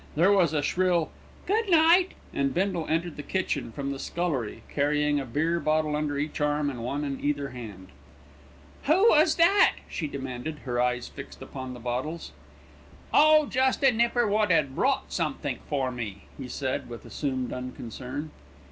There was a shrill "Good night," and Bindle entered the kitchen from the scullery, carrying a beer bottle under each arm and one in either hand. "Who was that?" she demanded, her eyes fixed upon the bottles. "Oh! jest a nipper wot 'ad brought somethink for me," he said with assumed unconcern.